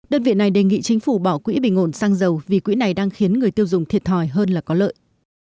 đơn vị này đề nghị chính phủ bỏ quỹ bình ổn xăng dầu vì quỹ này đang khiến người tiêu dùng thiệt thòi hơn là có lợi